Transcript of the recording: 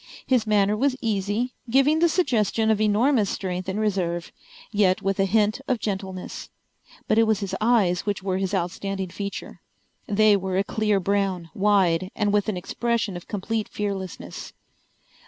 His manner was easy, giving the suggestion of enormous strength in reserve, yet with a hint of gentleness. But it was his eyes which were his outstanding feature. They were a clear brown, wide, and with an expression of complete fearlessness.